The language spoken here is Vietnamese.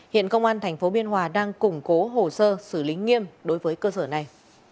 hiện công an tp biên hòa đang củng cố hồ sơ xử lý nghiêm đối với cơ sở này